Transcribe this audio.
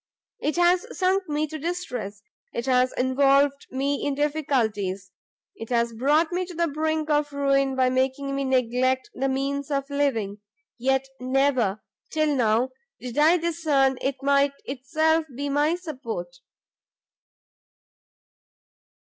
It has sunk me to distress, it has involved me in difficulties; it has brought me to the brink of ruin by making me neglect the means of living, yet never, till now, did I discern it might itself be my support."